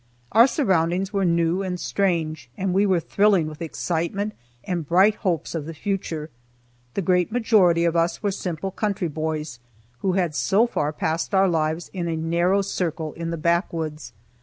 Our surroundings were new and strange, and we were thrilling with excitement and bright hopes of the future. The great majority of us were simple country boys, who had so far passed our lives in a narrow circle in the backwoods.